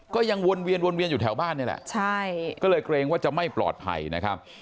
ก็ยังวนเวียนวนเวียนอยู่แถวบ้านนี่แหละใช่ก็เลยเกรงว่าจะไม่ปลอดภัยนะครับ